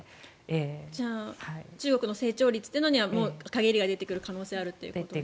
じゃあ中国の成長率というのにはもう限りが出てくる可能性があると。